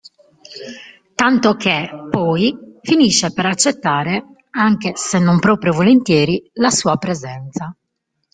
Tanto che, poi, finisce per accettare, anche se non proprio volentieri, la sua presenza.